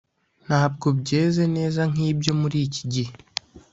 Ntabwo byeze neza nk’ibyo muri iki gihe